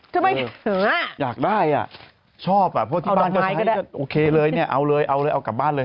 ทำไมเผื่ออยากได้ชอบพวกที่บ้านก็ใช้โอเคเลยเอาเลยเอากลับบ้านเลย